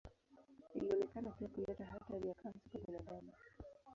Ilionekana pia kuleta hatari ya kansa kwa binadamu.